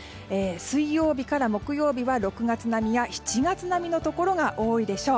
水曜日から木曜日は６月並みや７月並みのところが多いでしょう。